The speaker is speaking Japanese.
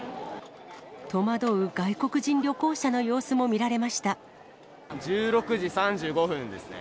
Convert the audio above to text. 戸惑う外国人旅行者の様子も１６時３５分ですね。